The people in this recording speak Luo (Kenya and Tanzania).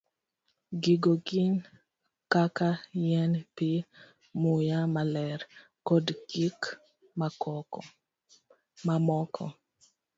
Gigo gin kaka yien, pi, muya maler, kod gik mamoko.